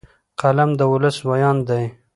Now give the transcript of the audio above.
قلم د ولس ویاند دی